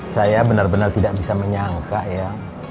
saya benar benar tidak bisa menyangka ya